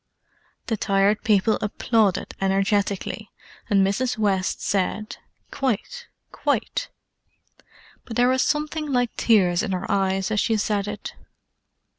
The Tired People applauded energetically, and Mrs. West said "Quite—quite!" But there was something like tears in her eyes as she said it.